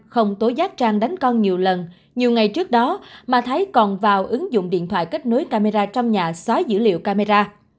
không tối giác trang đánh con nhiều lần nhiều ngày trước đó mà thái còn vào ứng dụng điện thoại kết nối camera trong nhà xóa dữ liệu camera